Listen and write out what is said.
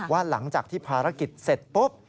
ว่าหลังจากที่ภารกิจเสร็จปุ๊บ